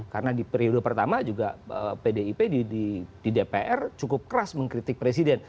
karena di periode pertama juga pdip di dpr cukup keras mengkritik presiden